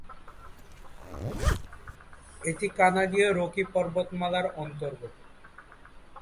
এটি কানাডিয় রকি পর্বতমালার অন্তর্গত।